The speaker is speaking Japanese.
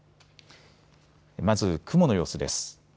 まず雲の様子です。